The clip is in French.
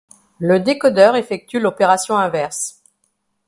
Le décodeur effectue l'opération inverse.